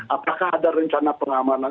apakah ada rencana pengamanan